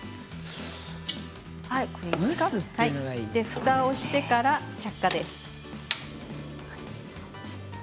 ふたをしてから着火です。